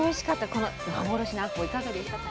この幻のあこういかがでしたか？